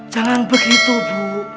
jangan begitu bu